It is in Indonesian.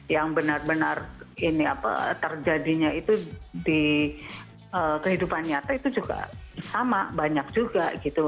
yang benar benar ini apa terjadinya itu di kehidupan nyata itu juga sama banyak juga gitu